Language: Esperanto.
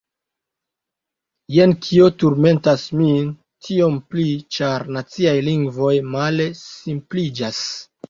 Jen kio turmentas min, tiom pli, ĉar naciaj lingvoj male – simpliĝas.